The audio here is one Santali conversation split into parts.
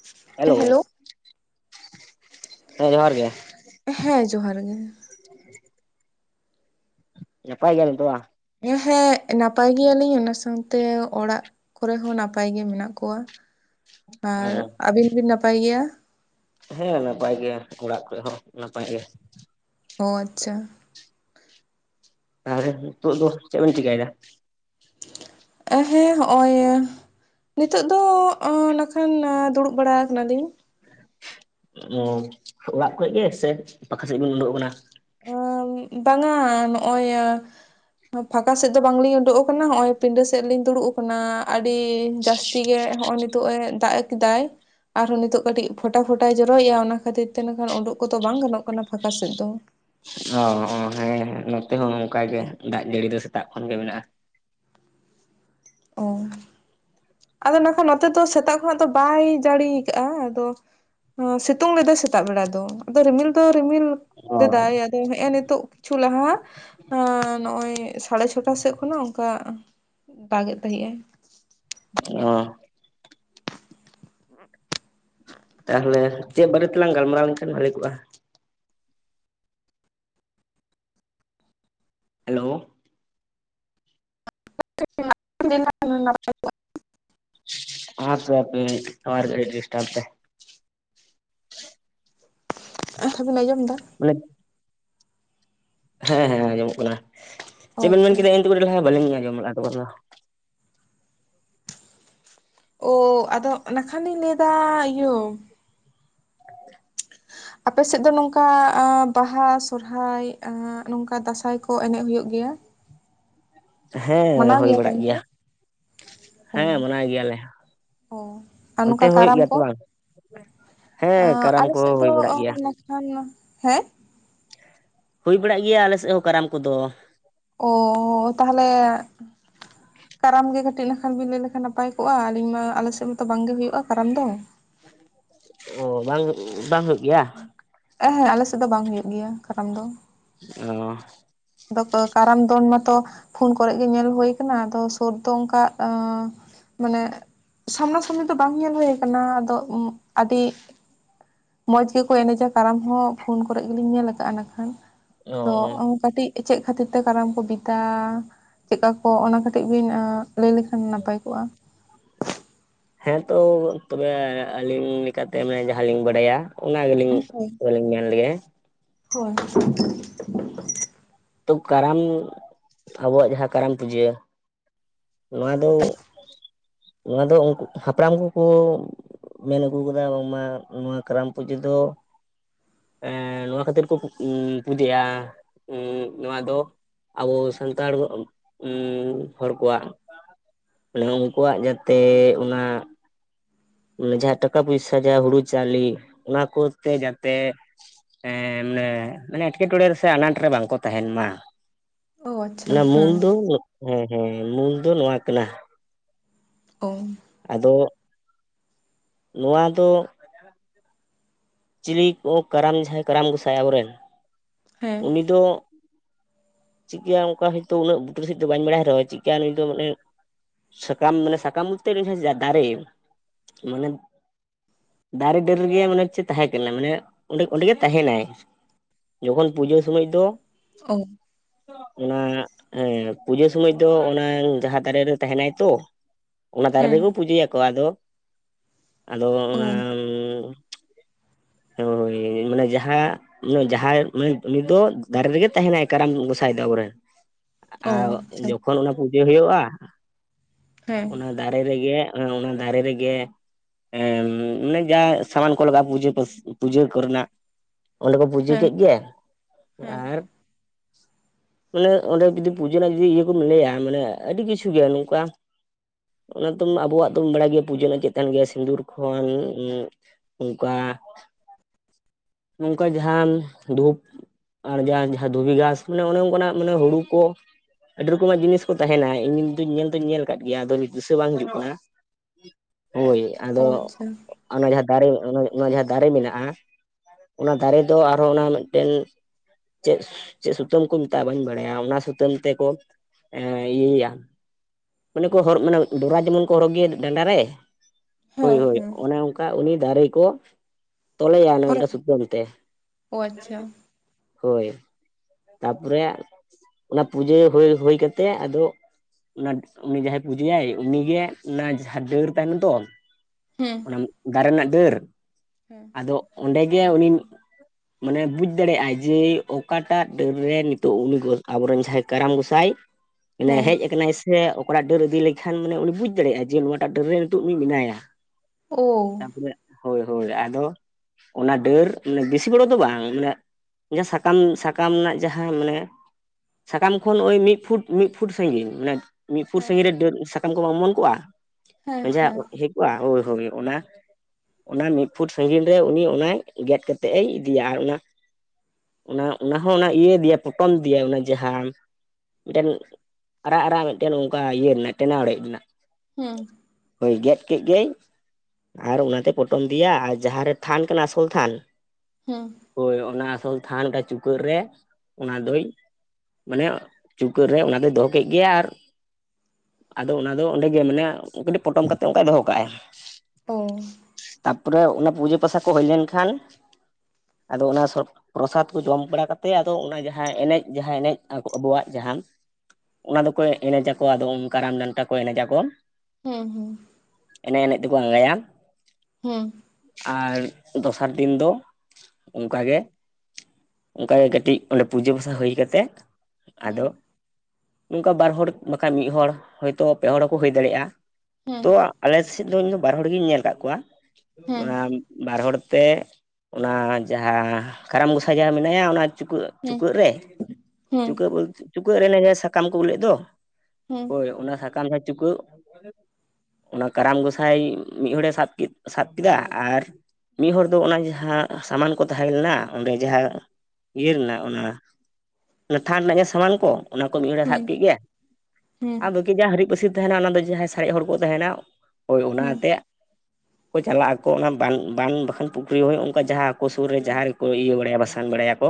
[inaudible] ᱦᱮᱞᱳ [inaudible] ᱦᱮᱸ ᱡᱚᱦᱟᱨ ᱜᱮ᱾ ᱦᱮᱸ ᱡᱚᱦᱟᱨ ᱜᱮ᱾ [inaudible] ᱱᱟᱯᱟᱭ ᱜᱮᱭᱟ ᱵᱤᱱ ᱛᱚ ᱵᱟ? ᱦᱮᱸ ᱱᱟᱯᱟᱭ ᱜᱮᱭᱟᱞᱤᱧ ᱚᱱᱟ ᱥᱟᱶᱛᱮ ᱚᱲᱟᱜ ᱠᱚᱨᱮ ᱦᱚᱸ ᱱᱟᱯᱟᱭ ᱜᱮ ᱢᱮᱱᱟᱜ ᱠᱚᱣᱟ ᱟᱨ ᱟᱹᱵᱤᱱ ᱵᱤᱱ ᱱᱟᱯᱟᱭ ᱜᱮᱭᱟ᱾ ᱦᱮᱸ ᱱᱟᱯᱟᱭ ᱜᱮᱭᱟ ᱚᱲᱟᱜ ᱠᱚᱨᱮ ᱦᱚᱸ ᱱᱟᱯᱟᱭ ᱜᱮ᱾ ᱚ ᱟᱪᱪᱷᱟ᱾ ᱛᱟᱦᱚᱞᱮ ᱱᱤᱛᱚᱜ ᱫᱚ ᱪᱮᱫ ᱵᱮᱱ ᱪᱤᱠᱟᱭᱮᱫᱟ? ᱮ ᱦᱮᱸ ᱦᱚᱜᱼᱚᱭ ᱱᱤᱛᱳ ᱫᱚ ᱚᱸ ᱱᱟᱠᱷᱟᱱ ᱫᱩᱲᱩᱵ ᱵᱟᱲᱟ ᱟᱠᱟᱱᱟᱞᱤᱧ᱾ ᱚ ᱚᱲᱟᱜ ᱠᱷᱚᱡ ᱜᱮ ᱥᱮ ᱯᱟᱠᱷᱟ ᱥᱮᱫ ᱵᱤᱱ ᱩᱰᱩᱠ ᱟᱠᱟᱱᱟ? [unintelligible] ᱵᱟᱝᱟ ᱱᱚᱜᱼᱚᱭ ᱯᱷᱟᱸᱠᱟ ᱥᱮᱫ ᱫᱚ ᱵᱟᱝᱞᱤᱧ ᱩᱰᱳᱜ ᱟᱠᱟᱱᱟ ᱦᱚᱜᱚᱭ ᱯᱤᱸᱰᱟᱹ ᱥᱮᱫ ᱞᱤᱧ ᱫᱩᱲᱩᱵ ᱟᱠᱟᱱᱟ ᱟᱹᱰᱤ ᱡᱟᱹᱥ ᱛᱤ ᱜᱮ ᱦᱚᱜ-ᱚᱭ ᱱᱤᱛᱚᱜ ᱮ ᱫᱟᱜ ᱮ ᱠᱮᱫᱟᱭ᱾ ᱟᱨᱦᱚᱸ ᱱᱤᱛᱚᱜ ᱠᱟᱹᱴᱤᱡ ᱯᱷᱚᱚᱴᱟ ᱯᱷᱚᱴᱟᱭ ᱡᱚᱨᱚᱭᱮᱜ-ᱟ ᱚᱱᱟ ᱠᱷᱟᱹᱛᱤᱨ ᱛᱮ ᱱᱟᱠᱷᱟᱱ ᱩᱰᱳᱜ ᱠᱚᱫᱚ ᱵᱟᱝ ᱜᱟᱱᱚᱜ ᱠᱟᱱᱟ ᱯᱷᱟᱸᱠᱟ ᱥᱮᱫ ᱫᱚ᱾ ᱚ ᱦᱚᱜᱚᱸ ᱦᱮᱸ ᱦᱮᱸ ᱱᱚᱛᱮ ᱦᱚᱸ ᱚᱱᱠᱟ ᱜᱮ ᱫᱟᱜ ᱡᱟᱹᱲᱤ ᱫᱚ ᱥᱮᱛᱟᱜ ᱠᱷᱚᱱ ᱜᱮ ᱢᱮᱱᱟᱜᱼᱟ᱾ ᱚ ᱟᱫᱚ ᱱᱟᱠᱷᱟᱱ ᱱᱚᱛᱮ ᱫᱚ ᱥᱮᱛᱟᱜ ᱠᱷᱚᱱᱟᱜ ᱫᱚ ᱵᱟᱭ ᱡᱟᱹᱲᱤ ᱠᱟᱜᱼᱟ ᱟᱫᱚ, ᱦᱚ ᱥᱤᱛᱩᱝ ᱞᱮᱫᱟᱭ ᱥᱮᱛᱟᱜ ᱵᱮᱲᱟ ᱫᱚ ᱟᱫᱚ ᱨᱤᱢᱤᱞ ᱫᱚ ᱨᱤᱢᱤᱞ ᱚ ᱞᱮᱫᱟᱭ ᱟ ᱫᱚ ᱦᱮᱸᱜᱮ ᱱᱤᱛᱳ ᱠᱤᱪᱷᱩ ᱞᱟᱦᱟ ᱦᱟᱸ ᱱᱚᱜ-ᱚᱭ ᱥᱟᱲᱮ ᱪᱷᱚᱴᱟ ᱥᱮᱫ ᱠᱷᱚᱱᱟᱜ ᱚᱱᱠᱟ ᱫᱟᱜᱮᱫ ᱛᱟᱦᱮᱸᱜ ᱟᱭ᱾ ᱚ ᱛᱟᱦᱚᱞᱮ ᱪᱮᱫ ᱵᱟᱨᱮᱛᱮᱞᱟᱝ ᱜᱟᱞᱢᱟᱨᱟᱣ ᱞᱮᱱᱠᱷᱟᱱ ᱵᱷᱟᱞᱮ ᱠᱚᱜ-ᱟ? ᱦᱮᱞᱳ [inaudible] [inaudible] ᱴᱟᱣᱭᱟᱨ ᱠᱟᱹᱴᱤᱡ ᱰᱤᱥᱴᱟᱵ ᱫᱟᱭ᱾ [unintelligible] ᱵᱮᱱ ᱟᱸᱡᱚᱢ ᱫᱟ? [unintelligible] ᱦᱮᱸ ᱦᱮᱸ ᱟᱸᱡᱚᱢᱚᱜ ᱠᱟᱱᱟ᱾ ᱚ ᱪᱮᱫ ᱵᱮᱱ ᱢᱮᱱ ᱟᱪᱪᱷᱟ ᱠᱮᱫᱟ ᱮᱱᱛᱳᱜ ᱠᱟᱹᱴᱤᱡ ᱞᱟᱦᱟ ᱵᱟᱹᱧ ᱟᱸᱡᱚᱢ ᱞᱟᱜ-ᱟ ᱛᱚᱠᱷᱚᱱ ᱫᱚ᱾ ᱳᱻ ᱟᱫᱚ ᱱᱟᱠᱷᱟᱱ ᱞᱤᱧ ᱞᱟᱹᱭ ᱫᱟ ᱤᱭᱟᱹ [inaudible] ᱟᱯᱮᱥᱮᱫ ᱫᱚ ᱱᱚᱝᱠᱟ ᱟᱸ ᱵᱟᱦᱟ ᱥᱚᱨᱦᱟᱭ ᱟᱸ ᱱᱚᱝᱠᱟ ᱫᱟᱸᱥᱟᱭ ᱠᱚ ᱮᱱᱮᱡ ᱦᱩᱭᱩᱜ ᱜᱮᱭᱟ? ᱦᱮᱸ ᱢᱟᱱᱟᱣ ᱦᱳᱭ ᱠᱚ ᱵᱟᱲᱟᱜ ᱚᱱᱛᱮ ᱜᱮᱭᱟ, ᱚ ᱦᱮᱸ ᱢᱟᱱᱟᱭ ᱜᱮᱭᱟᱞᱮ᱾ ᱚ ᱟᱨ ᱚᱱᱛᱮ ᱱᱚᱝᱠᱟ ᱦᱳᱭᱳᱜ ᱠᱟᱨᱟᱢ ᱜᱮᱭᱟ ᱛᱚ ᱠᱚ ᱵᱟᱝ, ᱦᱮᱸ ᱠᱟᱨᱟᱢ ᱠᱚᱦᱚᱸ ᱦᱳᱭ ᱵᱟᱲᱟᱜ ᱜᱮᱭᱟ᱾ ᱦᱮᱱᱱᱚ ᱦᱮᱸ? ᱦᱳᱭ ᱵᱟᱲᱟᱜ ᱜᱮᱭᱟ ᱟᱞᱮ ᱥᱮᱜ ᱦᱚᱸ ᱠᱟᱨᱟᱢ ᱠᱚᱫᱚ᱾ ᱚᱻ ᱛᱟᱦᱚᱞᱮ ᱠᱟᱨᱟᱢ ᱜᱮ ᱠᱟᱹᱴᱤᱡ ᱱᱟᱠᱷᱟᱱ ᱵᱤᱱ ᱞᱟᱹᱭ ᱞᱮᱠᱷᱟᱱ ᱱᱟᱯᱟᱭ ᱠᱚᱜ-ᱟ ᱟᱹᱞᱤᱧ ᱢᱟ ᱟᱞᱮ ᱥᱮᱫ ᱢᱟᱛᱚ ᱵᱟᱝᱜᱮ ᱦᱩᱭᱩᱜ-ᱟ ᱠᱟᱨᱟᱢ ᱫᱚ᱾ ᱚ ᱵᱟᱝ ᱵᱟᱝ ᱦᱩᱭᱩᱜ ᱜᱮᱭᱟ? ᱮᱦᱮᱸᱜ ᱟᱞᱮᱥᱮᱫ ᱫᱚ ᱵᱟᱝ ᱦᱩᱭᱩᱜ ᱜᱮᱭᱟ ᱠᱟᱨᱟᱢ ᱫᱚ᱾ ᱚ ᱫᱚ ᱠᱚ ᱠᱟᱨᱟᱢ ᱫᱚᱱ ᱢᱟᱛᱚ ᱯᱷᱳᱱ ᱠᱚᱨᱮᱜ ᱜᱮ ᱧᱮᱞ ᱦᱩᱭ ᱠᱟᱱᱟ ᱟᱫᱚ ᱥᱩᱨ ᱫᱚ ᱚᱱᱠᱟ ᱟᱸ ᱢᱟᱱᱮ ᱥᱟᱢᱱᱟ ᱥᱟᱢᱱᱤ ᱫᱚ ᱵᱟᱝ ᱧᱮᱞ ᱦᱳᱭ ᱟᱠᱟᱱᱟ ᱟᱫᱚ ᱩᱜ ᱟᱹᱰᱤ ᱢᱚᱸᱡᱽ ᱜᱮᱠᱚ ᱮᱱᱮᱡᱟ ᱠᱟᱨᱟᱢ ᱦᱚᱸ ᱯᱷᱳᱱ ᱠᱚᱨᱮ ᱜᱮᱞᱤᱧ ᱧᱮᱞ ᱟᱠᱟᱜ-ᱟ ᱱᱟᱠᱷᱟᱱ᱾ ᱚ ᱛᱚ ᱚ ᱚᱝ ᱠᱟᱹᱴᱤᱡ ᱪᱮᱜ ᱠᱷᱟᱹᱛᱤᱨ ᱛᱮ ᱠᱟᱨᱟᱢ ᱠᱚ ᱵᱤᱫᱟᱻ? ᱪᱮᱜᱠᱟ ᱠᱚ ᱚᱱᱟ ᱠᱟᱹᱴᱤᱡ ᱵᱤᱱ ᱟᱸ ᱞᱟᱹᱭ ᱞᱮᱠᱷᱟᱱ ᱱᱟᱯᱟᱭ ᱠᱚᱜ-ᱟ᱾ ᱦᱮᱸ ᱛᱚ ᱛᱚᱵᱮ ᱟᱹᱞᱤᱧ ᱞᱮᱠᱟᱛᱮ ᱢᱟᱱᱮ ᱡᱟᱦᱟᱸ ᱞᱤᱧ ᱵᱟᱰᱟᱭᱟ ᱚᱱᱟ ᱜᱮᱞᱤᱧ ᱦᱳᱭ ᱛᱚᱵᱮᱞᱤᱧ ᱢᱮᱱ ᱞᱮᱜ᱾ ᱦᱳᱭ [inaudible] ᱛᱚ ᱠᱟᱨᱟᱢ ᱟᱵᱚᱣᱟᱜ ᱡᱟᱦᱟᱸ ᱠᱟᱨᱟᱢ ᱯᱩᱡᱟᱹ ᱱᱚᱣᱟ ᱫᱚ ᱱᱚᱣᱟ ᱫᱚ ᱩᱱᱠᱩ ᱦᱟᱯᱲᱟᱢ ᱠᱚᱠᱩ ᱢᱮᱱ ᱟᱹᱜᱩ ᱠᱟᱫᱟ ᱵᱟᱝᱢᱟ ᱱᱚᱣᱟ ᱠᱟᱨᱟᱢ ᱯᱩᱡᱟᱹ ᱫᱚ ᱮᱸ ᱱᱚᱣᱟ ᱠᱷᱟᱹᱛᱤᱨ ᱠᱚ ᱩᱸ ᱯᱩᱡᱟᱹᱭᱟ ᱩᱸᱜ ᱱᱚᱣᱟ ᱫᱚ ᱟᱵᱚ ᱥᱟᱱᱛᱟᱲ [unintelligible] ᱩᱸ ᱦᱚᱲ ᱠᱚᱣᱟᱜ ᱢᱟᱱᱮ ᱩᱝᱠᱩᱣᱟᱜ ᱡᱟᱛᱮᱜ ᱚᱱᱟ ᱚᱱᱮ ᱡᱟᱦᱟᱸ ᱴᱟᱠᱟ ᱯᱚᱭᱥᱟ ᱡᱟᱦᱟᱸ ᱦᱩᱲᱩ ᱪᱟᱣᱞᱮ ᱚᱱᱟ ᱠᱚᱛᱮ ᱡᱟᱛᱮ ᱮᱸ ᱢᱟᱱᱮ ᱢᱟᱱᱮ ᱮᱸᱴᱠᱮᱴᱚᱬᱮ ᱨᱮ ᱥᱮ ᱟᱱᱟᱴ ᱨᱮ ᱵᱟᱝᱠᱚ ᱛᱟᱦᱮᱱ ᱢᱟ᱾ ᱚ ᱟᱪᱪᱷᱟ ᱚᱱᱟ ᱢᱩᱞ ᱦᱮᱸ ᱫᱚ ᱦᱮᱸ ᱦᱮᱸ ᱢᱩᱞ ᱫᱚ ᱱᱚᱣᱟ ᱠᱟᱱᱟ᱾ ᱚ ᱟᱫᱚ ᱱᱚᱣᱟ ᱫᱚ ᱪᱤᱞᱤ ᱠᱚ ᱠᱟᱨᱟᱢ ᱡᱟᱦᱟᱸᱭ ᱠᱟᱨᱟᱢ ᱜᱚᱸᱥᱟᱭ ᱟᱵᱚᱨᱮᱱ ᱦᱮᱸ ᱩᱱᱤ ᱫᱚ ᱪᱤᱠᱟᱹ ᱚᱝᱠᱟ ᱦᱚᱭᱛᱳ ᱩᱱᱟᱹᱜ ᱵᱩᱴᱟ. ᱥᱟᱹᱦᱤᱡ ᱫᱚ ᱵᱟ. ᱧ ᱵᱟᱲᱟᱭ ᱨᱮᱦᱚᱸ ᱪᱤᱜᱠᱟ ᱱᱩᱭ ᱫᱚ ᱢᱟᱱᱮ ᱥᱟᱠᱟᱢ ᱢᱟᱱᱮ ᱥᱟᱠᱟᱢ ᱚᱠᱛᱮ ᱨᱮ ᱡᱟᱸᱦᱟ ᱫᱟᱨᱮ ᱢᱟᱱᱮ ᱫᱟᱨᱤ ᱰᱟ. ᱨ ᱨᱮᱜᱮᱭᱟ ᱢᱟᱱᱮ ᱪᱮᱫ ᱛᱟᱦᱮᱸ ᱠᱟᱱᱟ ᱢᱟᱱᱮ ᱚᱸᱰᱮ ᱚᱸᱰᱮ ᱜᱮ ᱛᱟᱦᱮᱱᱟᱭ ᱡᱚᱠᱷᱚᱱ ᱯᱩᱡᱟᱹ ᱥᱚᱢᱚᱡ ᱫᱚ ᱚ ᱚᱱᱟ ᱮᱸ ᱯᱩᱡᱟᱹ ᱥᱚᱢᱚᱡ ᱫᱚ ᱚᱱᱟ ᱡᱟᱦᱟᱸ ᱫᱟᱨᱮ ᱨᱮ ᱛᱟᱦᱮᱱᱟᱭ ᱛᱚ ᱚᱱᱟ ᱫᱟᱨᱮ ᱦᱮᱸ ᱨᱮᱜᱮ ᱠᱚ ᱯᱩᱡᱟᱹᱭᱟᱠᱚ ᱟᱫᱚ ᱟᱫᱚ ᱚ ᱚᱱᱟ ᱦᱳᱭ ᱢᱟᱱᱮ ᱡᱟᱦᱟᱸ ᱡᱟᱦᱟᱸᱭ [unintelligible] ᱩᱱᱤ ᱩᱱᱤ ᱫᱚ ᱫᱟᱨᱮ ᱨᱮᱜᱮ ᱛᱟᱦᱮᱸᱱᱟᱭ ᱠᱟᱲᱟᱢ ᱜᱚᱸᱥᱟᱭ ᱫᱚ ᱟᱵᱚᱨᱮᱱ᱾ ᱟ ᱚ ᱟᱪᱪᱷᱟ ᱡᱚᱠᱷᱚᱱ ᱚᱱᱟ ᱯᱩᱡᱟᱹ ᱦᱩᱭᱩᱜᱼᱟ ᱦᱮᱸ ᱚᱱᱟ ᱫᱟᱨᱮ ᱨᱮᱜᱮ ᱚᱱᱟ ᱚᱱᱟ ᱫᱟᱨᱮ ᱨᱮᱜᱮ ᱮᱸ ᱢᱟᱱᱮ ᱡᱟ ᱥᱟᱢᱟᱱ ᱠᱚ ᱞᱟᱜᱟᱜᱼᱟ ᱯᱩᱡᱟᱹ ᱯᱩᱥ ᱯᱩᱡᱟᱹ ᱠᱚᱨᱮᱱᱟᱜ ᱚᱸᱰᱮ ᱠᱚ ᱯᱩᱡᱟᱹ ᱦᱮᱸ ᱠᱮᱜ ᱜᱮ ᱦᱮᱸ ᱟᱨ [inaudible] ᱢᱟᱱᱮ ᱚᱸᱰᱮ ᱡᱩᱫᱤ ᱯᱩᱡᱟᱹ ᱱᱟᱜ ᱡᱩᱫᱤ ᱤᱭᱟᱹ ᱠᱚᱢ ᱞᱟᱹᱭᱟ ᱢᱟᱱᱮ ᱟᱹᱰᱤ ᱠᱤᱪᱷᱩ ᱜᱮ ᱱᱚᱝᱠᱟ ᱚᱱᱟ ᱛᱚᱢ ᱟᱵᱚᱣᱟᱜ ᱫᱚᱢ ᱵᱟᱲᱟᱭ ᱜᱮᱭᱟ ᱯᱩᱡᱟᱹᱞᱮ ᱪᱮᱫ ᱛᱟᱦᱮᱱ ᱜᱮᱭᱟ ᱥᱤᱸᱫᱩᱨ ᱠᱷᱚᱱ ᱩᱸ ᱚᱝᱠᱟ ᱱᱚᱝᱠᱟ ᱡᱟᱦᱟᱱ ᱫᱷᱩᱯ ᱟᱨ ᱡᱟᱦᱟᱸ ᱡᱟᱦᱟᱸ ᱫᱷᱩᱵᱤ ᱜᱷᱟᱸᱥ ᱢᱟᱱᱮ ᱚᱱᱮ ᱚᱝᱠᱟᱱᱟᱜ ᱢᱟᱱᱮ ᱦᱩᱲᱩ ᱠᱚ ᱟᱹᱰᱤ ᱨᱚᱠᱚᱢᱟᱜ ᱡᱤᱱᱤᱥ ᱠᱚ ᱛᱟᱦᱮᱸᱱᱟ ᱤᱧ ᱫᱚᱧ ᱧᱮᱞ ᱫᱚᱧ ᱧᱮᱞ ᱟᱠᱟᱫ ᱜᱮᱭᱟ ᱟᱫᱚ ᱫᱤᱥᱟᱹ ᱵᱟᱝ ᱦᱤᱡᱩᱜ ᱠᱟᱱᱟ᱾ ᱦᱳᱭ ᱚ ᱟᱫᱚ ᱟᱪᱪᱷᱟ ᱚᱱᱟ ᱡᱟᱦᱟᱸ ᱫᱟᱨᱮ ᱚᱱᱟ ᱡᱟᱦᱟᱸ ᱫᱟᱨᱮ ᱢᱮᱱᱟᱜᱼᱟ ᱚᱱᱟ ᱫᱟᱨᱮ ᱫᱚ ᱟᱨᱦᱚᱸ ᱚᱱᱟ ᱢᱤᱫᱴᱮᱱ ᱪᱮᱫ ᱪᱮᱫ ᱥᱩᱛᱟᱹᱢ ᱠᱚ ᱢᱮᱛᱟᱜᱼᱟ ᱵᱟᱹᱧ ᱵᱟᱲᱟᱭᱟ ᱚᱱᱟ ᱥᱩᱛᱟᱹᱢ ᱛᱮᱠᱚ ᱮᱸ ᱤᱭᱟᱹᱭᱟ ᱢᱟᱱᱮ ᱠᱚ ᱦᱚᱨ ᱢᱟᱱᱮ ᱰᱚᱨᱟ ᱡᱮᱢᱚᱱ ᱠᱚ ᱦᱚᱨᱚᱜᱽ ᱜᱮᱭᱟ ᱰᱟᱸᱰᱟ ᱨᱮ ᱦᱳᱭ ᱦᱮᱸ ᱦᱳᱭ ᱦᱮᱸ ᱚᱱᱮ ᱚᱝᱠᱟ ᱩᱱᱤ ᱫᱟᱨᱮ ᱠᱚ ᱛᱚᱞᱮᱭᱟ ᱚᱱᱮ ᱚᱸᱰᱮ ᱦᱚᱨᱚᱜ ᱥᱩᱛᱟᱹᱢ ᱛᱮ ᱚ ᱟᱪᱪᱷᱟ ᱦᱳᱭ᱾ ᱛᱟᱯᱚᱨᱮ ᱚᱱᱟ ᱯᱩᱡᱟᱹ ᱦᱩᱭ ᱦᱩᱭ ᱠᱟᱛᱮᱜ ᱟᱫᱚ ᱚᱱᱟ ᱩᱱᱤ ᱡᱟᱦᱟᱸᱭ ᱯᱩᱡᱟᱹᱭᱟᱭ ᱩᱱᱤᱜᱮ ᱚᱱᱟ ᱡᱟᱦᱟᱸ ᱰᱟᱹᱨ ᱛᱟᱦᱮᱸᱱ ᱫᱚ ᱦᱮᱸ ᱚᱱᱟ ᱫᱟᱨᱮ ᱱᱟᱜ ᱰᱟᱹᱨ ᱦᱮᱸ ᱫᱚ ᱚᱸᱰᱮ ᱜᱮ ᱩᱱᱤ ᱢᱟᱱᱮ ᱵᱩᱡ ᱫᱟᱲᱮᱜᱼᱟᱭ ᱡᱮ ᱚᱠᱟᱴᱟᱜ ᱰᱟᱹᱨ ᱨᱮ ᱱᱤᱛᱳᱜ ᱩᱱᱤ ᱜᱚ ᱟᱵᱚᱨᱮᱱ ᱡᱟᱦᱟᱸᱭ ᱠᱟᱨᱟᱢ ᱜᱚᱸᱥᱟᱭ ᱢᱟᱱᱮ ᱦᱮᱸ ᱦᱮᱡ ᱟᱠᱟᱱᱟᱭ ᱥᱮ ᱥᱮ ᱚᱠᱟᱴᱟᱜ ᱰᱟᱹᱨ ᱤᱫᱤ ᱞᱮᱠᱷᱟᱱ ᱢᱟᱱᱮ ᱩᱱᱤ ᱵᱩᱡᱽ ᱫᱟᱲᱮᱜᱼᱟ ᱡᱮ ᱱᱚᱣᱟᱴᱟᱜ ᱰᱟᱹᱨ ᱨᱮ ᱱᱤᱛᱚᱜ ᱩᱱᱤ ᱢᱮᱱᱟᱭᱟ᱾ ᱳ ᱱᱮ ᱦᱳᱭ ᱦᱳᱭ ᱟᱫᱚ ᱚᱱᱟ ᱰᱟᱹᱨ ᱢᱟᱱᱮ ᱵᱮᱥᱤ ᱵᱚᱲᱚ ᱫᱚ ᱵᱟᱝ ᱢᱟᱱᱮ ᱡᱟᱦᱟᱸ ᱥᱟᱠᱟᱢ ᱥᱟᱠᱟᱢ ᱱᱟᱜ ᱡᱟᱦᱟᱸ ᱢᱟᱱᱮ ᱥᱟᱠᱟᱢ ᱠᱷᱚᱱ ᱳᱭ ᱢᱤᱜ ᱯᱷᱩᱴ ᱢᱤᱜ ᱯᱷᱩᱴ ᱥᱟᱺᱜᱤᱧ ᱢᱟᱱᱮ ᱢᱤᱫ ᱯᱷᱩᱨ ᱦᱮᱸ ᱥᱟᱺᱜᱤᱧ ᱨᱮ ᱰᱟᱹᱨ ᱥᱟᱠᱟᱢ ᱠᱚ ᱵᱟᱝ ᱚᱢᱚᱱ ᱠᱚᱜᱼᱟ ᱦᱮᱸ ᱚᱱᱮ ᱡᱟᱦᱟᱸ ᱦᱮᱸ ᱦᱮᱰ ᱠᱚᱣᱟ ᱦᱳᱭ ᱦᱳᱭ ᱚᱱᱟ ᱚᱱᱟ ᱢᱤᱫ ᱯᱷᱩᱴ ᱥᱟᱺᱜᱤᱧ ᱨᱮ ᱩᱱᱤ ᱚᱱᱟ ᱜᱮᱫ ᱠᱟᱛᱮᱫ ᱮ ᱤᱫᱤᱭᱟ, ᱟᱨ ᱚᱱᱟ ᱚᱱᱟ ᱚᱱᱟ ᱦᱚᱸ ᱚᱱᱟ ᱤᱭᱟᱹᱫᱤᱭᱮ ᱯᱚᱴᱚᱢ ᱤᱫᱤᱭᱮ ᱚᱱᱟ ᱡᱟᱦᱟᱸ ᱢᱤᱫᱴᱮᱱ ᱟᱨᱟᱜ ᱟᱨᱟᱜ ᱢᱤᱫᱴᱮᱱ ᱚᱱᱠᱟ ᱤᱭᱟᱹ ᱨᱮᱱᱟᱜ ᱴᱮᱱᱟ ᱚᱲᱮᱡ ᱨᱮᱱᱟᱜ, ᱦᱮᱸ᱾ ᱦᱳᱭ ᱜᱮᱫ ᱠᱮᱫ ᱜᱮᱭ ᱟᱨ ᱚᱱᱟᱛᱮ ᱯᱚᱴᱚᱢ ᱫᱤᱭᱟ ᱟᱨ ᱡᱟᱦᱟᱸᱨᱮ ᱛᱷᱟᱱ ᱠᱟᱱᱟ ᱟᱥᱚᱞ ᱛᱷᱟᱱ, ᱦᱮᱸ᱾ ᱦᱳᱭ ᱚᱱᱟ ᱟᱥᱚᱞ ᱛᱷᱟᱱ [unintelligible] ᱪᱩᱠᱟᱹᱜ ᱨᱮ ᱚᱱᱟ ᱫᱚᱭ ᱢᱟᱱᱮ ᱪᱩᱠᱟᱹᱜ ᱨᱮ ᱚᱱᱟ ᱫᱚᱭ ᱫᱚᱦᱚ ᱠᱮᱫ ᱜᱮ ᱟᱨ ᱟᱫᱚ ᱚᱱᱟ ᱫᱚ ᱚᱸᱰᱮ ᱜᱮ ᱢᱟᱱᱮ ᱠᱟᱹᱴᱤᱡ ᱯᱚᱴᱚᱢ ᱠᱟᱛᱮᱫ ᱚᱱᱠᱟᱭ ᱫᱚᱦᱚ ᱠᱟᱜᱼᱟᱭ᱾ ᱳ᱾ ᱛᱟᱯᱚᱨᱮ ᱚᱱᱟ ᱯᱩᱡᱟᱹ ᱯᱟᱥᱟ ᱠᱚ ᱦᱩᱭ ᱞᱮᱱ ᱠᱷᱟᱱ ᱟᱫᱚ ᱚᱱᱟ ᱥᱚᱨ ᱯᱨᱚᱥᱟᱫ ᱠᱚ ᱡᱚᱢ ᱵᱟᱲᱟ ᱠᱟᱛᱮ ᱟᱫᱚ ᱚᱱᱟ ᱡᱟᱦᱟᱸ ᱮᱱᱮᱡ ᱡᱟᱦᱟᱸ ᱮᱱᱮᱡ ᱟᱵᱚᱣᱟᱜ ᱡᱟᱦᱟᱸᱱ ᱚᱱᱟ ᱫᱚᱠᱚ ᱮᱱᱮᱡᱟ ᱠᱚ ᱟᱫᱚ ᱚᱱᱟ ᱠᱟᱨᱟᱢ ᱰᱟᱱᱴᱟ ᱠᱚ ᱮᱱᱮᱡᱟ ᱠᱚ᱾ ᱦᱮᱸ ᱦᱮᱸ᱾ ᱮᱱᱮᱡ ᱮᱱᱮᱡ ᱛᱮᱠᱚ ᱟᱸᱜᱟᱭᱟ᱾ ᱦᱮᱸ᱾ ᱟᱨ ᱫᱚᱥᱟᱨ ᱫᱤᱱ ᱫᱚ ᱚᱝᱠᱟᱜᱮ ᱚᱝᱠᱟᱜᱮ ᱠᱟᱹᱴᱤᱡ ᱚᱸᱰᱮ ᱯᱩᱡᱟᱹ ᱯᱟᱥᱟ ᱦᱩᱭ ᱠᱟᱛᱮᱜ ᱦᱮᱸ ᱟᱫᱚ ᱚᱝᱠᱟ ᱵᱟᱨ ᱦᱚᱲ ᱵᱟᱠᱷᱟᱡ ᱢᱤᱫ ᱦᱚᱲ ᱦᱚᱭᱛᱳ ᱯᱮ ᱦᱚᱲ ᱦᱚᱸᱠᱚ ᱦᱩᱭ ᱫᱟᱲᱮᱭᱟᱜᱼᱟ᱾ ᱛᱚ ᱦᱮᱸ ᱟᱞᱮ ᱥᱮᱫ ᱫᱚ ᱤᱧᱫᱚ ᱵᱟᱨ ᱦᱚᱲ ᱜᱤᱧ ᱧᱮᱞ ᱠᱟᱫ ᱠᱚᱣᱟ, ᱦᱮᱸ ᱚᱱᱟ ᱵᱟᱨ ᱦᱚᱲ ᱛᱮ ᱚᱱᱟ ᱡᱟᱦᱟᱸ ᱠᱟᱨᱟᱢ ᱜᱚᱸᱥᱟ ᱡᱟᱦᱟᱸ ᱢᱮᱱᱟᱭᱟ ᱚᱱᱟ ᱪᱩᱠᱟᱹᱜ ᱪᱩᱠᱟᱹᱜ ᱨᱮ ᱦᱮᱸ ᱦᱮᱸ ᱪᱩᱠᱟᱹᱜ ᱵᱚᱞᱛᱮ ᱪᱩᱠᱟᱹᱜ ᱨᱮ ᱥᱟᱠᱟᱢ ᱠᱚ ᱡᱩᱫ ᱞᱮᱫ ᱫᱚ, ᱦᱳᱭ ᱚᱱᱟ ᱥᱟᱠᱟᱢ ᱨᱮ ᱪᱩᱠᱟᱹᱜ ᱚᱱᱟ ᱠᱟᱨᱟᱢ ᱜᱚᱸᱥᱟᱭ ᱢᱤᱫ ᱦᱚᱲᱮ ᱥᱟᱵ ᱠᱮᱫ ᱥᱟᱵ ᱠᱮᱫᱟ, ᱟᱨ ᱢᱤᱫ ᱦᱚᱲ ᱫᱚ ᱚᱱᱟ ᱡᱟᱦᱟᱸ ᱥᱟᱢᱟᱱ ᱠᱚ ᱛᱟᱦᱮᱸ ᱞᱮᱱᱟ ᱚᱸᱰᱮ ᱡᱟᱦᱟᱸ ᱤᱭᱟᱹ ᱞᱮᱱᱟᱜ ᱚᱱᱟ ᱚᱱᱟ ᱛᱷᱟᱱ ᱨᱮᱱᱟᱜ ᱜᱮ ᱥᱟᱢᱟᱱ ᱠᱚ ᱚᱱᱟ ᱠᱚ ᱢᱤᱫ ᱦᱚᱲᱮ ᱥᱟᱵ ᱦᱮᱸ ᱠᱮᱫ ᱜᱮᱭᱟ, ᱦᱮᱸ ᱦᱮᱸ ᱟᱫᱚ ᱡᱟᱦᱟᱸ ᱦᱤᱨᱤᱡ ᱯᱟᱹᱥᱤᱨ ᱛᱟᱦᱮᱸᱱᱟ ᱚᱱᱟ ᱫᱚ ᱡᱟᱦᱟᱸᱭ ᱥᱟᱨᱮᱡ ᱦᱚᱲ ᱠᱚ ᱛᱟᱦᱮᱸᱱᱟ ᱦᱳᱭ ᱦᱮᱸ ᱦᱮᱸ ᱚᱱᱟᱛᱮ ᱠᱚ ᱪᱟᱞᱟᱜ ᱟᱠᱚ ᱚᱱᱟ ᱵᱟᱱ ᱵᱟᱱ ᱵᱟᱠᱷᱟᱱ ᱯᱩᱠᱷᱨᱤ ᱦᱚᱸ ᱚᱱᱠᱟ ᱡᱟᱦᱟᱸ ᱟᱠᱩ ᱥᱩᱨ ᱨᱮ ᱡᱟᱦᱟᱸ ᱨᱮ ᱠᱚ ᱤᱭᱟᱹ ᱵᱟᱲᱟᱭᱟ ᱵᱟᱥᱟᱝ ᱵᱟᱲᱟᱭᱟᱠᱚ᱾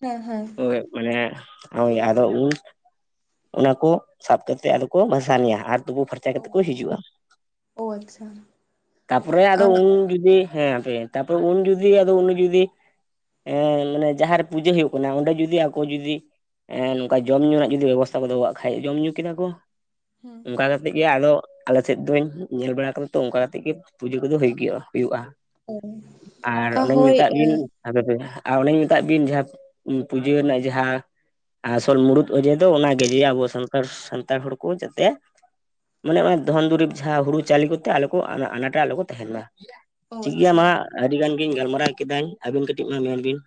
ᱦᱮᱸ ᱦᱮᱸ᱾ ᱦᱳᱭ ᱢᱟᱱᱮ ᱦᱳᱭ ᱟᱫᱚ ᱩᱱ ᱚᱱᱟ ᱠᱚ ᱥᱟᱵ ᱠᱟᱛᱮ ᱟᱫᱚ ᱠᱚ ᱵᱷᱟᱥᱟᱱᱮᱭᱟ ᱟᱨ ᱛᱩᱴᱩ ᱯᱷᱟᱨᱪᱟ ᱠᱟᱛᱮ ᱠᱚ ᱦᱤᱡᱩᱜᱼᱟ᱾ ᱚ ᱟᱪᱪᱷᱟ᱾ ᱛᱟᱯᱚᱨᱮ ᱟᱫᱚ ᱩᱱ ᱡᱩᱫᱤ ᱦᱮᱸ ᱦᱟᱯᱮ ᱛᱟᱯᱚᱨᱮ ᱩᱱ ᱡᱩᱫᱤ ᱟᱫᱚ ᱩᱱᱤ ᱡᱩᱫᱤ ᱮᱸ ᱢᱟᱱᱮ ᱡᱟᱦᱟᱸᱨᱮ ᱯᱩᱡᱟᱹ ᱦᱩᱭᱩᱜ ᱠᱟᱱᱟ ᱚᱸᱰᱮ ᱡᱩᱫᱤ ᱟᱠᱚ ᱡᱩᱫᱤ ᱮᱸ ᱱᱚᱝᱠᱟ ᱡᱚᱢᱼᱧᱩ ᱨᱮᱱᱟᱜ ᱡᱩᱫᱤ ᱵᱮᱵᱚᱥᱛᱷᱟ ᱠᱚ ᱫᱚᱦᱚ ᱠᱟᱜ ᱠᱷᱟᱡ ᱡᱚᱢᱼᱧᱩ ᱠᱮᱫᱟ ᱠᱚ᱾ ᱦᱮᱸ᱾ ᱚᱱᱠᱟ ᱠᱟᱛᱮᱫ ᱜᱮ ᱟᱫᱚ ᱟᱞᱮ ᱥᱮᱫ ᱫᱚᱧ ᱧᱮᱞ ᱵᱟᱲᱟ ᱠᱟᱫᱟ ᱛᱚ ᱚᱱᱠᱟ ᱠᱟᱛᱮ ᱜᱮ ᱯᱩᱡᱟᱹ ᱠᱚᱫᱚ ᱦᱩᱭᱩᱜᱼᱟ ᱦᱩᱭᱩᱜᱼᱟ, ᱟᱨ ᱚ ᱚᱱᱮᱧ ᱦᱳᱭ ᱢᱮᱛᱟᱫ ᱵᱤᱱ ᱚ ᱦᱟᱯᱮ ᱯᱮ ᱟᱨ ᱚᱱᱮᱧ ᱢᱮᱛᱟᱫ ᱵᱤᱱ ᱡᱟᱦᱟᱸ ᱯᱩᱡᱟᱹ ᱨᱮᱱᱟᱜ ᱡᱟᱦᱟᱸ ᱟᱥᱚᱞ ᱢᱩᱲᱩᱫ ᱚᱡᱮ ᱫᱚ ᱚᱱᱟᱜᱮ ᱡᱮ ᱟᱵᱚ ᱥᱟᱱᱛᱟᱲ ᱥᱟᱱᱛᱟᱲ ᱦᱚᱲ ᱠᱚ ᱡᱟᱛᱮ ᱢᱟᱱᱮ ᱚᱱᱟ ᱫᱷᱚᱱ ᱫᱩᱨᱤᱵᱽ ᱡᱟᱦᱟᱸ ᱦᱩᱲᱩ ᱪᱟᱣᱞᱮ ᱠᱚᱛᱮ ᱟᱞᱚ ᱠᱚ ᱟᱱᱟᱴ ᱨᱮ ᱟᱞᱚ ᱠᱚ ᱛᱟᱦᱮᱸᱱ ᱢᱟ ᱴᱷᱤᱠ ᱜᱮᱭᱟ ᱟᱪᱪᱷᱟ ᱢᱟ ᱟᱹᱰᱤ ᱜᱟᱱ ᱜᱤᱧ ᱜᱟᱞᱢᱟᱨᱟᱣ ᱠᱮᱫᱟᱧ ᱟᱹᱵᱤᱱ ᱠᱟᱹᱴᱤᱡ ᱢᱟ ᱢᱮᱱ ᱵᱤᱱ?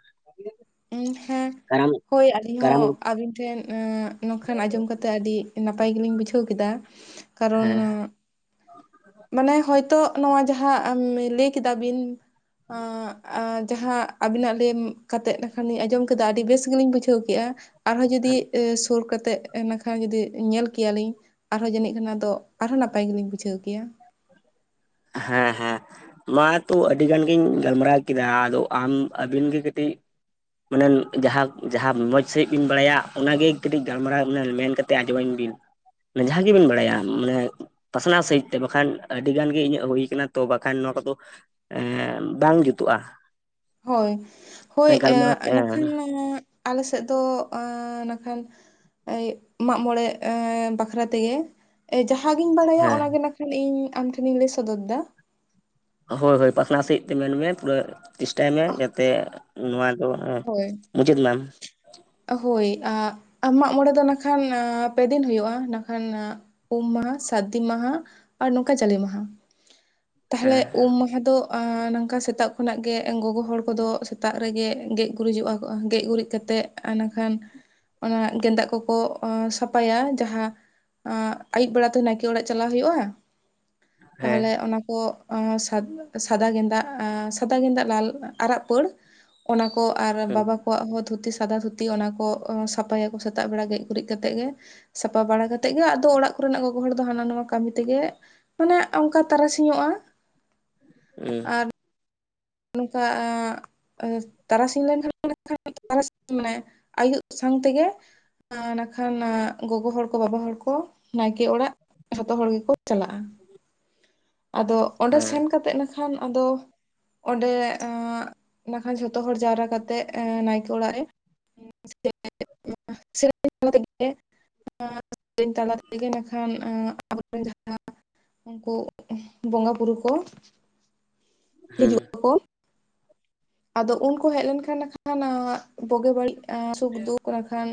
ᱦᱮᱸ ᱠᱟᱨᱟᱢ ᱦᱳᱭ ᱟᱹᱞᱤᱧ ᱠᱟᱨᱟᱢ ᱦᱚᱸ ᱟᱹᱵᱤᱱᱼᱼ ᱴᱷᱮᱱ ᱱᱚᱝᱠᱟᱱ ᱟᱸᱡᱚᱢ ᱠᱟᱛᱮᱜ ᱟᱹᱰᱤ ᱱᱟᱯᱟᱭ ᱜᱮᱞᱤᱧ ᱵᱩᱡᱷᱟᱹᱣ ᱠᱮᱫᱟ᱾ ᱠᱟᱨᱚᱱ, ᱦᱮᱸ ᱢᱟᱱᱮ ᱦᱚᱭᱛᱳ ᱱᱚᱣᱟ ᱡᱟᱦᱟᱸ ᱞᱟᱹᱭ ᱠᱮᱫᱟ ᱵᱤᱱᱼᱼ ᱡᱟᱦᱟᱸ ᱟᱵᱤᱱᱟᱜ ᱞᱟᱹᱭ ᱠᱟᱛᱮᱫᱼᱼ ᱠᱷᱟᱱᱞᱤᱧ ᱟᱸᱡᱚᱢ ᱠᱮᱫᱟ ᱟᱹᱰᱤ ᱵᱮᱥ ᱜᱮᱞᱤᱧ ᱵᱩᱡᱷᱟᱹᱣ ᱠᱮᱫᱼᱟ ᱟᱨᱦᱚᱸ ᱡᱩᱫᱤ ᱮ ᱥᱩᱨᱠᱟᱛᱮᱫ ᱤᱠᱷᱟᱱ ᱡᱩᱫᱤ ᱧᱮᱞ ᱠᱮᱭᱟᱞᱤᱧ ᱟᱨᱦᱚᱸ ᱡᱟᱹᱱᱤᱡ ᱠᱟᱱᱟ ᱫᱚ ᱟᱨᱦᱚᱸ ᱱᱟᱯᱟᱭ ᱜᱮᱞᱤᱧ ᱵᱩᱡᱷᱟᱹᱣ ᱠᱮᱭᱟ᱾ ᱦᱮᱸ ᱦᱮᱸ ᱢᱟᱛᱚ ᱟᱹᱰᱤ ᱜᱟᱱ ᱜᱤᱧ ᱜᱟᱞᱢᱟᱨᱟᱣᱼᱼ ᱠᱮᱫᱟ ᱟᱫᱚ ᱟᱢ ᱟᱵᱤᱱ ᱜᱮ ᱠᱟᱹᱴᱤᱡᱼᱼ ᱢᱟᱱᱮ ᱡᱟᱦᱟᱸ ᱡᱟᱦᱟᱸ ᱢᱚᱡᱽ ᱥᱟᱺᱦᱤᱡ ᱵᱤᱱ ᱵᱟᱲᱟᱭᱟ ᱚᱱᱟᱜᱮ ᱠᱟᱹᱴᱤᱡ ᱜᱟᱞᱢᱟᱨᱟᱣ ᱢᱮᱱ ᱠᱟ ᱠᱟᱛᱮᱼᱼ ᱟᱸᱡᱚᱢ ᱟᱹᱧ ᱵᱤᱱ ᱡᱟᱦᱟᱸ ᱜᱮᱵᱤᱱ ᱵᱟᱲᱟᱭᱟ ᱢᱟᱱᱮ ᱯᱟᱥᱱᱟᱣ ᱥᱟᱹᱦᱤᱡ ᱛᱮ ᱵᱟᱠᱷᱟᱱ ᱟᱹᱰᱤ ᱜᱟᱱ ᱜᱮ ᱤᱧᱟᱹᱜᱼᱼ ᱦᱩᱭ ᱟᱠᱟᱱᱟ ᱛᱚ ᱵᱟᱠᱷᱟᱱ ᱱᱚᱣᱟ ᱠᱚᱫᱚ ᱮ ᱵᱟᱝ ᱡᱩᱛᱩᱜᱼᱟ᱾ ᱦᱳᱭ ᱦᱳᱭ ᱜᱟᱞᱢᱟᱨᱟᱣ ᱮᱱᱠᱷᱟᱱᱼᱼ ᱦᱮᱸ ᱟᱞ ᱥᱮᱫ ᱫᱚ ᱱᱟᱠᱷᱟᱱ ᱢᱟᱜᱢᱚᱬᱮ ᱵᱟᱠᱷᱨᱟ ᱛᱮᱜᱮ᱾ ᱡᱟᱦᱟᱸ ᱜᱤᱧ ᱵᱟᱲᱟᱭᱟ ᱚᱱᱟᱜᱮ ᱱᱟ ᱠᱷᱟᱱ ᱤᱧ ᱟᱢ ᱴᱷᱮᱱᱤᱧ ᱞᱟᱹᱭ ᱥᱚᱫᱚᱨ ᱮᱟ᱾ ᱦᱳᱭ ᱦᱳᱭ ᱯᱟᱥᱱᱟᱣ ᱥᱟᱹᱦᱤᱡ ᱛᱮ ᱢᱮᱱᱢᱮ ᱯᱩᱨᱟᱹ ᱪᱮᱥᱴᱟᱭ ᱢᱮ ᱡᱟᱛᱮᱼᱼ ᱱᱚᱣᱟ ᱫᱚ ᱢᱩᱪᱟᱹᱫ ᱢᱟᱢ᱾ ᱦᱚᱭ ᱟ ᱢᱟᱜ ᱢᱚᱬᱮ ᱫᱚ ᱱᱟᱠᱷᱟᱱ ᱯᱮᱫᱤᱱ ᱦᱩᱭᱩᱜᱼᱟ ᱱᱟ ᱠᱷᱟᱱᱼᱼ ᱩᱢ ᱢᱟᱦᱟ ᱥᱟᱹᱨᱫᱤ ᱢᱟᱦᱟ ᱟᱨ ᱱᱚᱝᱠᱟ ᱡᱟᱞᱮ ᱢᱟᱦᱟ ᱛᱟᱦᱚᱞᱮ ᱦᱮᱸ ᱩᱢ ᱢᱟᱦᱟ ᱫᱚᱼᱼ ᱱᱚᱝᱼᱠᱟ ᱥᱮᱛᱟᱜ ᱠᱷᱚᱱᱟᱜ ᱜᱮ ᱜᱚᱜᱚ ᱦᱚᱲ ᱠᱚᱫᱚ ᱥᱮᱛᱟᱜ ᱨᱮᱜᱮ ᱜᱮᱢᱼᱼ ᱜᱩᱨᱤᱡᱚᱜᱼᱟ ᱠᱚᱼᱟ ᱜᱮᱡ ᱜᱩᱨᱤᱡ ᱠᱟᱛᱮᱫ ᱤᱱᱟᱹᱠᱷᱟᱱ ᱚᱱᱟ ᱜᱮᱸᱫᱟᱜ ᱠᱚᱠᱚ ᱥᱟᱯᱷᱟᱭᱟ ᱡᱟᱦᱟᱸᱼᱼ ᱟᱹᱭᱩᱵ ᱵᱮᱲᱟ ᱛᱮ ᱱᱟᱭᱠᱮ ᱚᱲᱟᱜ ᱪᱟᱞᱟᱜ ᱦᱩᱭᱩᱜᱼᱟ ᱦᱮᱸ ᱛᱟᱦᱞᱮ ᱚᱱᱟ ᱠᱚᱼᱼ ᱥᱟ ᱥᱟᱫᱟ ᱜᱮᱸᱫᱟᱜ ᱥᱟᱫᱟ ᱜᱮᱸᱫᱟᱜ ᱞᱟᱞ ᱟᱨᱟᱜ ᱯᱟᱹᱲ᱾ ᱚᱱᱟ ᱠᱚ ᱟᱨ ᱦᱮᱸ ᱵᱟᱵᱟ ᱠᱚᱣᱟᱜ ᱦᱚᱸ ᱫᱷᱩᱛᱤ ᱥᱟᱫᱟ ᱫᱷᱤᱛᱤᱼᱼ ᱫᱷᱩ ᱚᱱᱟ ᱠᱚ ᱥᱟᱯᱷᱟᱭᱟᱠᱚ ᱥᱮᱛᱟᱜ ᱵᱮᱲᱟ ᱜᱮᱡ ᱜᱩᱨᱤᱡ ᱠᱟᱛᱮ ᱜᱮ ᱥᱟᱯᱷᱟ ᱵᱟᱲᱟ ᱠᱟᱛᱮᱫ ᱜᱮ ᱟᱫᱚ ᱚᱲᱟᱜ ᱠᱚᱨᱮᱱᱟᱜ ᱜᱚᱜᱚ ᱦᱚᱲ ᱫᱚ ᱦᱟᱱᱟ ᱱᱚᱣᱟ ᱠᱟᱹᱢᱤ ᱛᱮᱜᱮ, ᱢᱟᱱᱮ ᱚᱱᱠᱟ ᱛᱟᱨᱟ ᱥᱤᱧᱚᱜᱼᱟ ᱮᱸ ᱱᱚᱝᱠᱟᱼᱼ ᱛᱟᱨᱟᱥᱤᱧ ᱞᱮᱱᱠᱷᱟᱱ ᱛᱟᱨᱟᱥᱤᱧ ᱢᱟᱱᱮ ᱟᱭᱩᱵ ᱥᱟᱶ ᱛᱮᱜᱮᱼᱼ ᱱᱟᱠᱷᱟᱱ ᱜᱚᱜᱚ ᱦᱚᱲ ᱠᱚ ᱵᱟᱵᱟ ᱦᱚᱲ ᱠᱚ ᱱᱟᱭᱠᱮ ᱚᱲᱟᱜ ᱡᱚᱛᱚ ᱦᱚᱲ ᱜᱮᱠᱚᱼᱼ ᱪᱟᱞᱟᱜᱼᱟ ᱟᱫᱚ ᱚᱸᱰᱮ ᱦᱮᱸ ᱥᱮᱱ ᱠᱟᱛᱮ ᱱᱟᱠᱷᱟᱱ ᱟᱫᱚᱼᱼ ᱚᱸᱰᱮ ᱱᱟᱠᱷᱟᱱ ᱡᱷᱚᱛᱚ ᱦᱚᱲ ᱡᱟᱣᱨᱟ ᱠᱟᱛᱮᱜ ᱱᱟᱭᱠᱮ ᱚᱲᱟᱜ ᱨᱮᱼᱼ [inaudible] [unintelligible] ᱥᱮᱨᱮᱧ ᱛᱟᱞᱟ ᱛᱮᱜᱮ ᱤᱠᱷᱟᱱ ᱟᱵᱚᱨᱮᱱ ᱡᱟᱦᱟᱸᱼᱼ ᱩᱱᱠᱩ ᱵᱚᱸᱜᱟ ᱵᱩᱨᱩ ᱠᱚ, ᱦᱤᱡᱩᱜ ᱟᱠᱚ᱾ ᱟᱫᱚ ᱩᱱᱠᱩ ᱦᱮᱡ ᱞᱮᱱᱠᱷᱟᱱ ᱠᱷᱟᱱ ᱵᱩᱜᱤ ᱵᱟᱹᱲᱤᱡᱼᱟ ᱥᱩᱠᱼᱫᱩᱠᱷ ᱦᱟᱱ ᱠᱷᱟᱱᱼᱼ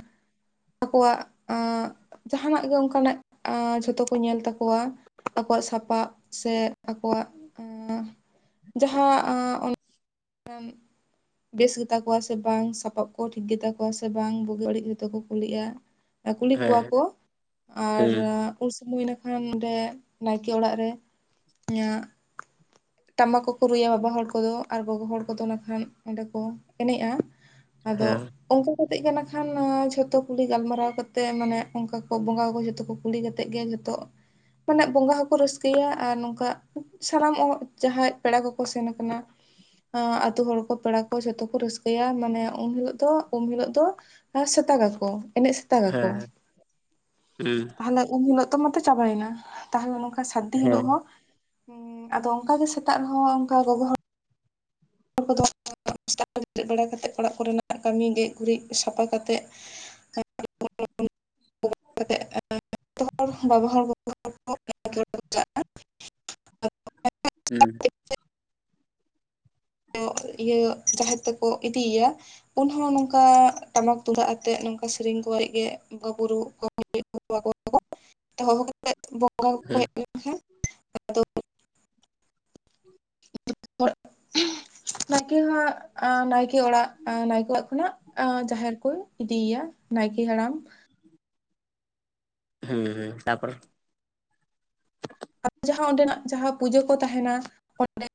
ᱟᱠᱚᱣᱟᱜ ᱡᱟᱦᱟ ᱱᱟᱜ ᱜᱮ ᱚᱱᱠᱟᱱᱟᱜ ᱡᱷᱚᱛᱚ ᱠᱚ ᱧᱮᱞ ᱛᱟᱠᱚᱣᱟ᱾ ᱟᱠᱚᱣᱟᱜ ᱥᱟᱯᱟᱵ ᱥᱮ ᱟᱠᱚᱣᱟᱜᱼᱼ [inaudible] ᱡᱟᱦᱟᱸ ᱟᱸ ᱚᱱ [unintelligible] ᱵᱮᱥ ᱜᱮᱛᱟ ᱠᱚᱣᱟ ᱥᱮ ᱵᱟᱝ ᱥᱟᱯᱟᱵ ᱠᱚ ᱴᱷᱤᱠ ᱜᱮᱛᱟ ᱠᱚᱣᱟ ᱥᱮ ᱵᱟᱝ ᱵᱩᱜᱤ ᱵᱟᱹᱲᱤᱡ ᱜᱮᱛᱚ ᱠᱚ ᱠᱩᱞᱤᱜᱼᱟ᱾ ᱟ ᱠᱩᱞᱤ ᱠᱚᱣᱟ ᱦᱮᱸ ᱠᱚ ᱦᱮᱸ ᱟᱨ ᱦᱮᱸ ᱩᱱ ᱥᱚᱢᱚᱭ ᱤᱱᱟᱠᱷᱟᱱ ᱚᱸᱰᱮ ᱱᱟᱭᱠᱮ ᱚᱲᱟᱜ ᱨᱮ ᱤᱧᱟᱹᱜ ᱴᱟᱢᱟᱠ ᱠᱚ ᱠᱚ ᱨᱩᱭᱟ ᱵᱟᱵᱟ ᱦᱚᱲ ᱠᱚᱫᱚ ᱟᱨ ᱜᱚᱜᱚ ᱦᱚᱲ ᱠᱚᱫᱚ ᱱᱟᱜᱠᱷᱟᱱ ᱚᱸᱰᱮ ᱠᱚ ᱮᱱᱮᱡᱼᱟ ᱟᱫᱚ ᱦᱮᱸ ᱚᱱᱠᱟ ᱠᱟᱛᱮᱜ ᱜᱮ ᱱᱟᱜᱠᱷᱟᱱ ᱡᱷᱚᱛᱚ ᱠᱩᱞᱤ ᱜᱟᱞᱢᱟᱨᱟᱣ ᱠᱟᱛᱮᱜ ᱢᱟᱱᱮ ᱚᱱᱠᱟ ᱠᱚ ᱵᱚᱸᱜᱟ ᱡᱷᱚᱛᱚ ᱠᱚ ᱠᱩᱞᱤ ᱠᱟᱛᱮᱫ ᱜᱮ ᱡᱷᱚᱛᱚ ᱢᱟᱱᱮ ᱵᱚᱸᱜᱟ ᱦᱚᱸᱠᱚ ᱨᱟᱹᱥᱠᱟᱹᱭᱟ ᱟᱨ ᱱᱚᱝᱠᱟ ᱥᱟᱱᱟᱢ ᱚ ᱡᱟᱦᱟᱸᱭ ᱯᱮᱲᱟ ᱠᱚᱠᱚ ᱥᱮᱱ ᱟᱠᱟᱱᱟ᱾ ᱦᱚᱸ ᱟᱛᱳ ᱦᱚᱲ ᱠᱚ ᱯᱮᱲᱟ ᱠᱚ ᱡᱷᱚᱛᱚ ᱠᱚ ᱨᱟᱹᱥᱠᱟᱹᱭᱟ ᱢᱟᱱᱮ ᱩᱱ ᱦᱤᱞᱳᱜ ᱫᱚ ᱩᱢ ᱦᱤᱞᱳᱜ ᱫᱚ ᱟᱨ ᱥᱮᱛᱟᱜᱟᱠᱚ ᱮᱱᱮᱡ ᱥᱮ ᱛᱟ ᱦᱮᱸ ᱜᱟᱠᱚ ᱦᱮᱸ ᱛᱟᱦᱚᱞᱮ ᱩᱱ ᱦᱤᱞᱳᱜ ᱛᱚ ᱢᱟᱛᱚ ᱪᱟᱵᱟᱭᱱᱟ ᱛᱟᱦᱚᱞᱮ ᱥᱟᱹᱨᱫᱤ ᱦᱤᱞᱳᱜ ᱦᱮᱸ ᱦᱚᱸ ᱩᱸ ᱟᱫᱚ ᱚᱝᱠᱟ ᱜᱮ ᱥᱮᱛᱟᱜ ᱨᱮᱦᱚᱸ ᱚᱱᱠᱟ ᱜᱚᱜᱚ ᱦᱚᱲ ᱦᱚᱲ ᱠᱚᱫᱚ [unintelligible] ᱚᱲᱟᱜ ᱠᱚᱨᱮᱱᱟᱜ ᱠᱟᱹᱢᱤ ᱜᱮᱡ ᱜᱩᱨᱤᱡ ᱥᱟᱯᱷᱟ ᱠᱟᱛᱮᱫ [unintelligible] ᱠᱟᱛᱮᱫ [unintelligible] ᱦᱚᱲ ᱵᱟᱵᱟ ᱦᱚᱲ ᱜᱚᱜᱚ ᱦᱚᱲ [unintelligible] ᱦᱩᱸ ᱤᱭᱟᱹ ᱡᱟᱦᱮᱨ ᱛᱮᱠᱚ ᱤᱫᱤᱭ ᱭᱟ᱾ ᱩᱱ ᱦᱚᱸ ᱱᱚᱝᱠᱟ ᱴᱟᱢᱟᱠ ᱛᱩᱢᱫᱟᱜ ᱟᱛᱮᱜ ᱱᱚᱝᱠᱟ ᱥᱮᱨᱮᱧ ᱠᱚ ᱜᱮ ᱵᱚᱸᱜᱟ ᱵᱩᱨᱩ ᱠᱚ [unintelligible] ᱛᱚ [unintelligible] ᱦᱚᱦᱚ ᱠᱟᱛᱮᱫ ᱵᱚᱸᱜᱟ ᱠᱚᱠᱚ ᱦᱮᱸ ᱦᱮᱡ ᱞᱮᱱᱠᱷᱟᱱ [unintelligible] [unintelligible] ᱱᱟᱭᱠᱤ ᱦᱚᱸ ᱟ ᱱᱟᱭᱠᱤ ᱠᱮ ᱚᱲᱟᱜ ᱱᱟᱭᱠᱮ ᱚᱲᱟᱜ ᱠᱷᱚᱱᱟᱜ ᱡᱟᱦᱮᱨ ᱠᱚ ᱤᱫᱤᱭᱮᱭᱟ ᱱᱟᱭᱠᱮ ᱦᱟᱲᱟᱢ ᱾ ᱦᱩᱸ ᱦᱩᱸ ᱛᱟᱯᱚᱨ ᱡᱟᱦᱟᱸ ᱚᱸᱰᱮᱱᱟᱜ ᱡᱟᱦᱟᱸ ᱯᱩᱡᱟᱹ ᱠᱚ ᱛᱟᱦᱮᱱᱟ ᱚᱸᱰᱮ